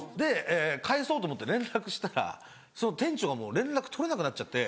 返そうと思って連絡したらその店長がもう連絡取れなくなっちゃって。